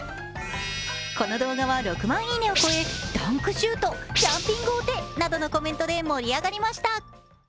この動画は６万いいねを超え、ダンクシュート、ジャンピングお手などのコメントで盛り上がりました。